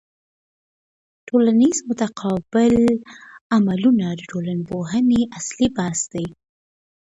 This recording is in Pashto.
ټولنیز متقابل عملونه د ټولنپوهني اصلي بحث دی.